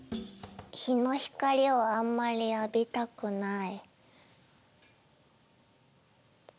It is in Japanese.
日の光をあんまり浴びたくない。